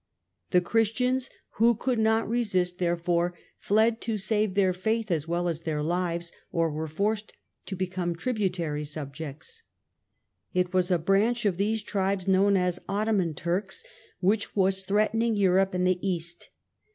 The Christians who could not resist, therefore, fled to save their faith as well as their lives, or were forced to become tributary subjects. Sultan It was a branch of these tribes, known as Ottoman 1299 1307 Turks, which was threatening Europe and the East.